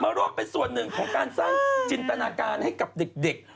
ร่วมเป็นส่วนหนึ่งของการสร้างจินตนาการให้กับเด็ก